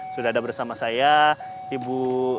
sudah ada bersama saya ibu